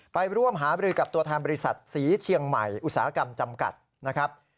ไปร่วมหาบริกับตัวแทนบริษัทศรีเชียงใหม่อุตสาหกรรมจำกัดนะครับ